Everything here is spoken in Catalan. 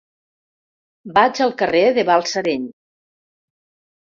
Vaig al carrer de Balsareny.